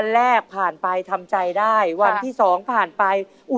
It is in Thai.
เหมือนพี่รู้